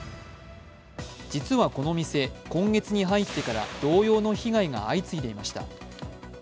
実はこの店、今月に入ってから同様の被害が相次いでいました。